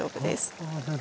はあなるほど。